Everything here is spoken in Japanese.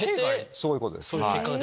そういうことです。